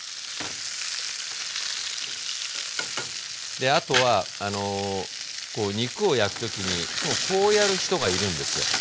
であとはこう肉を焼く時にいつもこうやる人がいるんですよ。